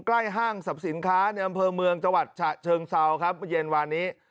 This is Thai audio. ใกล้ห้างสรรพสินค้าในบรรพเมืองจังหวัดเชิงเศร้าครับเย็นวานนี้